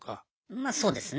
まそうですね。